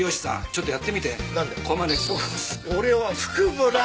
ちょっとやってみて。